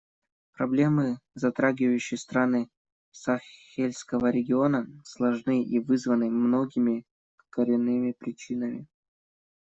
Проблемы, затрагивающие страны Сахельского региона, сложны и вызваны многими коренными причинами.